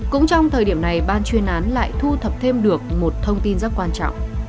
cũng trong thời điểm này ban chuyên án lại thu thập thêm được một thông tin rất quan trọng